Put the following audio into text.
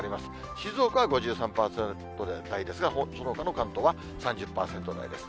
静岡は５３％台ですが、そのほかの関東は３０％台です。